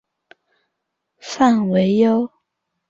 范惟悠是太平省太宁府琼瑰县同直总芹泮社出生。